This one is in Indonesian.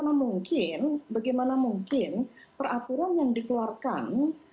nah bagaimana mungkin peraturan yang dikeluarkan